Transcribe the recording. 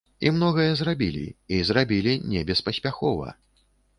І многае зрабілі, і зрабілі небеспаспяхова.